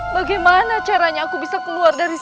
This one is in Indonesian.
bagaimana caranya aku bisa keluar dari sini